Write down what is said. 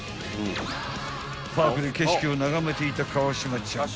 ［パークで景色を眺めていた川島ちゃん］